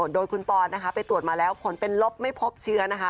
โดยคุณปอนนะคะไปตรวจมาแล้วผลเป็นลบไม่พบเชื้อนะคะ